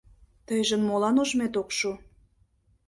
— Тыйжын молан ужмет ок шу?